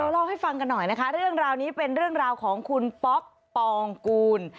เล่าให้ฟังกันหน่อยนะคะเรื่องราวนี้เป็นเรื่องราวของคุณป๊อปปองกูล